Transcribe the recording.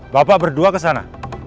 bapak berdua kesana